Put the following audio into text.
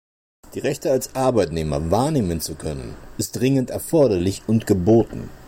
Die Rechte als Arbeitnehmer wahrnehmen zu können, ist dringend erforderlich und geboten.